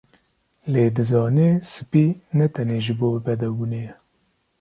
Lê dizanê spî tenê ne ji bo bedewbûnê ye